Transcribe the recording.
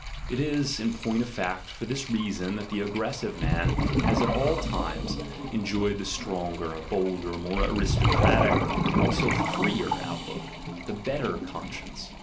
It is, in point of fact, for this reason that the aggressive man has at all times enjoyed the stronger, bolder, more aristocratic, and also jreer outlook, the better conscience.